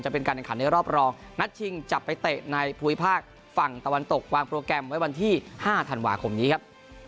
เป็นการแข่งขันในรอบรองนัดชิงจะไปเตะในภูมิภาคฝั่งตะวันตกวางโปรแกรมไว้วันที่๕ธันวาคมนี้ครับ